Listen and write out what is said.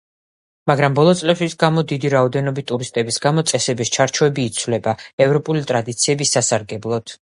მაგრამ ბოლო წლებში გამო დიდი რაოდენობით ტურისტების გამო წესების ჩარჩოები იცვლება ევროპული ტრადიციების სასარგებლოდ.